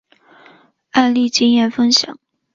案例经验分享